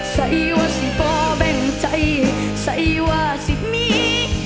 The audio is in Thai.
ใส่ว่าจะเป่าแบ่งใจใส่ว่าจะมี